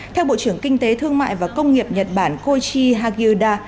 theo bộ trưởng kinh tế thương mại và công nghiệp nhật bản koichi haguda